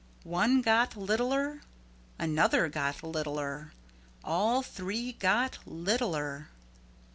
One got littler. Another got littler. All three got littler.